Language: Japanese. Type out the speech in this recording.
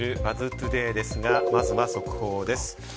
トゥデイですが、まずは速報です。